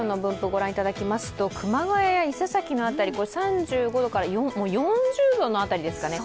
御覧にいただきますと熊谷や伊勢崎の辺り３５度から４０度の辺りですかね